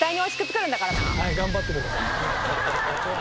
はい頑張ってください。